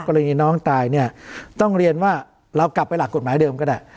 กรณีน้องตายเนี่ยต้องเรียนว่าเรากลับไปหลักกฎหมายเดิมก็ได้